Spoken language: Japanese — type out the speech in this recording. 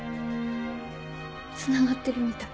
つながってるみたい。